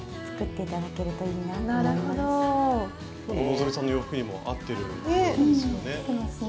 きょうの希さんの洋服にも合ってるようですよね。